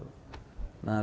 nah karena itu sekarang